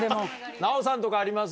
ナヲさんとかあります？